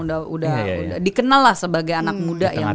dikenal lah sebagai anak muda yang berada di situ